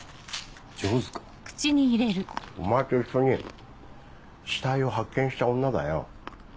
お前と一緒に死体を発見した女だよ。